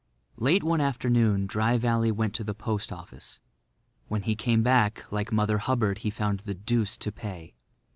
Late one afternoon Dry Valley went to the post office. When he came back, like Mother Hubbard he found the deuce to pay.